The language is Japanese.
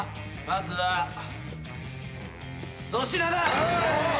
まずは粗品だ！